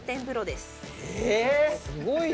すごいな！